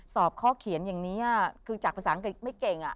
สอบข้อเขียนอย่างนี้คือจากภาษาอังกฤษไม่เก่ง